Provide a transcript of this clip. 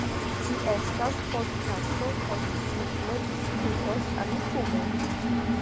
Ĝi estas podkasto kaj ni simple diskutos Amikumu